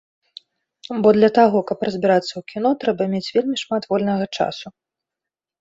Бо для таго, каб разбірацца ў кіно, трэба мець вельмі шмат вольнага часу.